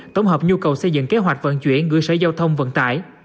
tổng hợp nhu cầu xây dựng kế hoạch vận chuyển gửi sở giao thông vận tải